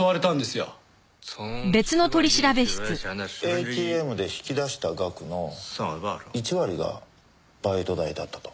ＡＴＭで引き出した額の１割がバイト代だったと。